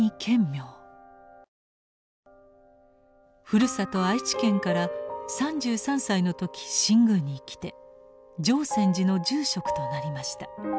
ふるさと愛知県から３３歳の時新宮に来て淨泉寺の住職となりました。